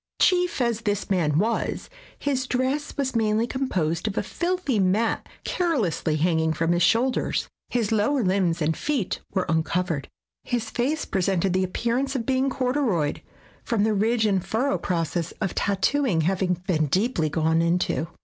Chief as this man was, his dress was mainly composed of a filthy mat carelessly hanging from his shoulders. His lower limbs and feet were uncovered. His face presented the appear ance of being corduroyed from the ridge and furrow process of tattooing having been deeply gone into.